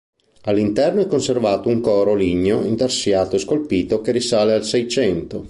All'interno è conservato un coro ligneo intarsiato e scolpito che risale al seicento.